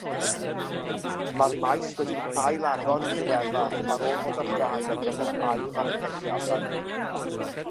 Mae'r maes wedi ailagor yn ddiweddar ar ôl bod ar gau ar gyfer ailddatblygiadau.